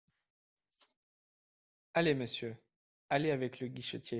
Allez, monsieur, allez avec le guichetier.